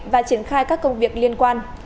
và triển khai các công việc liên quan